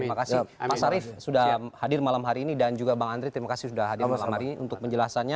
terima kasih pak sarif sudah hadir malam hari ini dan juga bang andri terima kasih sudah hadir malam hari ini untuk penjelasannya